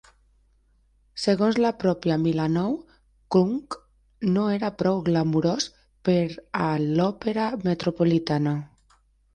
Segons la pròpia Milanov, "Kunc" no era prou "glamurós" per a l'Òpera Metropolitana.